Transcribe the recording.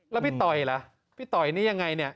แล้วพี่ต่อยล่ะพี่ต่อยนี่ยังไงเนี่ย